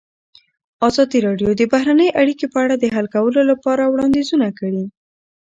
ازادي راډیو د بهرنۍ اړیکې په اړه د حل کولو لپاره وړاندیزونه کړي.